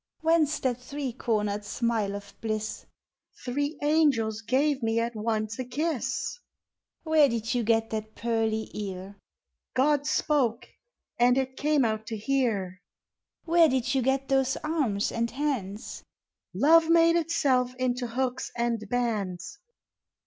WThence that three cornered smile of bliss? Three angels gave me at once a kiss. ABOUT CHILDREN. 5 Where did you get that pearly ear? God spoke, and it came out to hear. Where did you get those arms and hands? Love made itself into hooks and bands.